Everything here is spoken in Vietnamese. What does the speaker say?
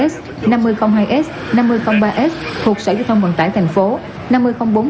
năm mươi một s năm mươi hai s năm mươi ba s thuộc sở giao thông vận tải tp hcm